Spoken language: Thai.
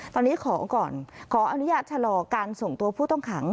ตอนนี้ขอก่อนขออนุญาตชะลอการส่งตัวผู้ต้องขัง